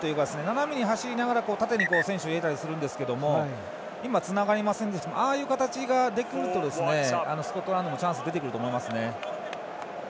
斜めに走りながら縦に選手を入れたりするんですけれども今のはつながりませんでしたがああいう形ができるとスコットランドもチャンスが出てくると思いますね。